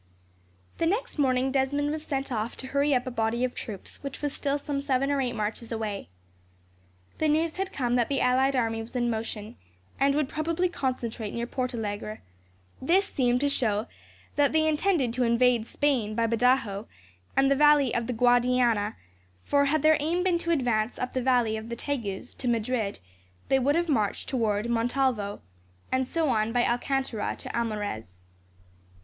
The next morning, Desmond was sent off to hurry up a body of troops which was still some seven or eight marches away. The news had come that the allied army was in motion, and would probably concentrate near Portalegre. This seemed to show that they intended to invade Spain by Badajos, and the valley of the Guadiana; for, had their aim been to advance up the valley of the Tagus, to Madrid, they would have marched towards Montalvao, and so on by Alcantara to Almarez.